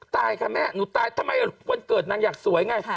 ตายค่ะแม่หนูตายทำไมวันเกิดนางอยากสวยไง